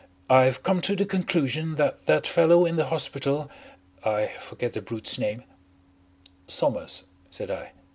"I've come to the conclusion that that fellow in the hospital I forget the brute's name " "Somers," said I.